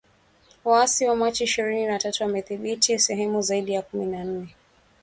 Waasi wa Machi ishirini na tatu wamedhibiti sehemu zaidi ya kumi na nne